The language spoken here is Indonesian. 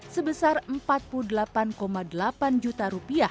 sebesar rp empat puluh delapan delapan juta